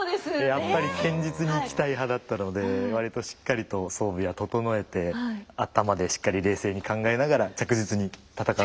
やっぱり堅実にいきたい派だったので割としっかりと装備は整えて頭でしっかり冷静に考えながら着実に戦うようなプレイスタイルでした。